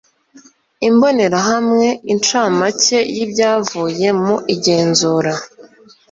Imbonerahamwe Incamake y ibyavuye mu igenzura